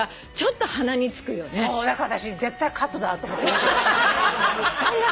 そうだから私絶対カットだと思って。